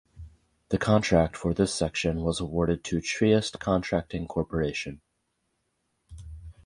The contract for this section was awarded to Triest Contracting Corporation.